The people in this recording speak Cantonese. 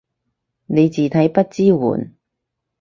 你字體不支援